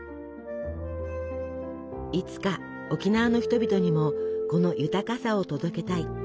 いつか沖縄の人々にもこの豊かさを届けたい。